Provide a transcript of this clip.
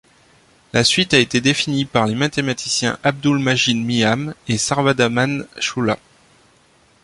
La suite a été définie par les mathématiciens Abdul Majid Mian et Sarvadaman Chowla.